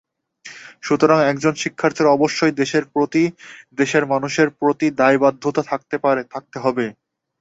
সুতরাং একজন শিক্ষার্থীর অবশ্যই দেশের প্রতি, দেশের মানুষের প্রতি দায়বদ্ধতা থাকতে হবে।